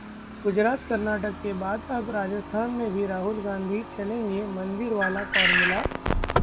गुजरात, कर्नाटक के बाद अब राजस्थान में भी राहुल गांधी चलेंगे मंदिर वाला फॉर्मूला?